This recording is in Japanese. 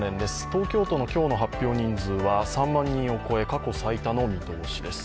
東京都の今日の発表人数は３万人を超え過去最多の見通しです。